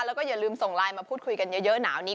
แล้วก็อย่าลืมส่งไลน์มาพูดคุยกันเยอะหนาวนี้